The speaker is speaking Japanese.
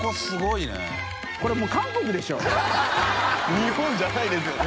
日本じゃないですよね。